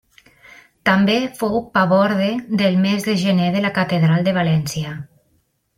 També fou paborde del mes de gener de la catedral de València.